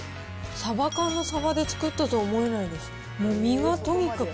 サバ缶のサバで作ったとは思えないです。